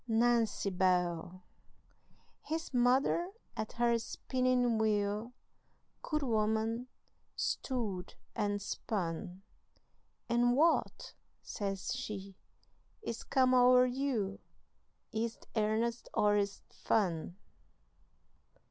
Nancy Bell!" His mother at her spinning wheel, Good woman, stood and spun, "And what," says she, "is come o'er you, Is't airnest or is't fun?"